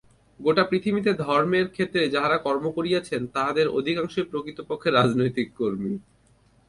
গোটা পৃথিবীতে ধর্মের ক্ষেত্রে যাঁহারা কর্ম করিয়াছেন, তাঁহাদের অধিকাংশই প্রকৃতপক্ষে রাজনৈতিক কর্মী।